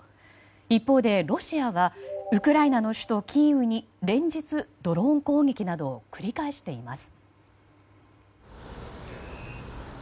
一方でロシアはウクライナの首都キーウに連日、ドローン攻撃などを繰り返しています。